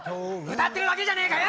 歌ってるだけじゃねえかよ！